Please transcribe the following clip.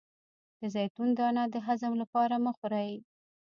د زیتون دانه د هضم لپاره مه خورئ